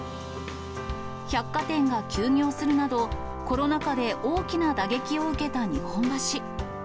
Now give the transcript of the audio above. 百貨店が休業するなど、コロナ禍で大きな打撃を受けた日本橋。